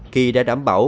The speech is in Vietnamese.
khi đã đảm bảo